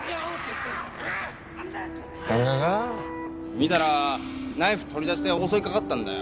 ・見たらナイフ取り出して襲いかかったんだよ